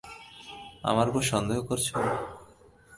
আমার ওপর সন্দেহ করছো?